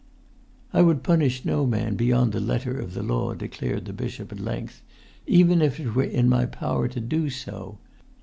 "I would punish no man beyond the letter of the law," declared the bishop at length, "even if it were in my power to do so.